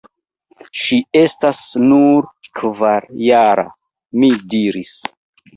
Ŝi estas nur kvarjara – mi diris.